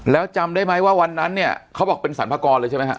แล้วจำได้ไหมว่าวันนั้นเนี่ยเขาบอกเป็นสรรพากรเลยใช่ไหมฮะ